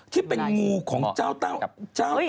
ที่เป็นงูของเจ้าเต้าตำนาน